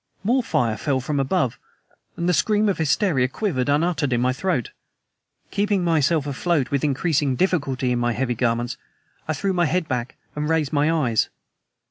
More fire fell from above, and the scream of hysteria quivered, unuttered, in my throat. Keeping myself afloat with increasing difficulty in my heavy garments, I threw my head back and raised my eyes.